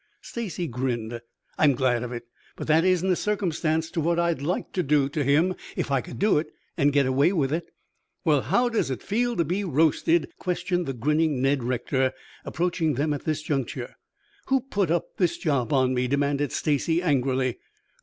Stacy grinned. "I'm glad of it. But that isn't a circumstance to what I'd like, to do to him if I could do it and get away with it. "Well, how does it feel to be roasted?" questioned the grinning Ned Rector, approaching them at this juncture. "Who put up this job on me?" demanded Stacy angrily.